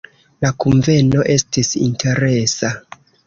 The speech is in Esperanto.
La kunveno estis interesa.